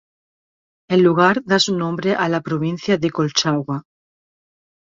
El lugar da su nombre a la provincia de Colchagua.